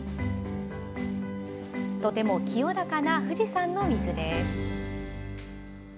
とても清らかな富士山の水です。